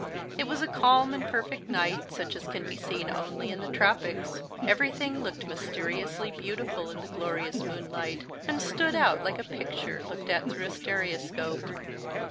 It was a calm and perfect night, such as can be seen only in the tropics; everything looked mysteriously beautiful in the glorious moonlight, and stood out like a picture looked at through a stereoscope.